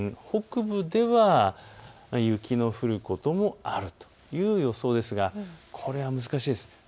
北部では雪の降ることもあるという予想ですがこれは難しいです。